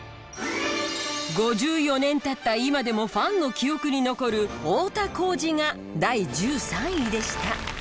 ５４年経った今でもファンの記憶に残る太田幸司が第１３位でした。